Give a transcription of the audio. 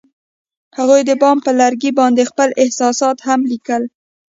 هغوی د بام پر لرګي باندې خپل احساسات هم لیکل.